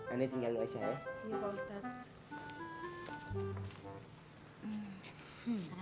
aneh tinggal dulu aisyah ya